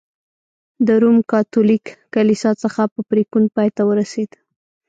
د روم کاتولیک کلیسا څخه په پرېکون پای ته ورسېد.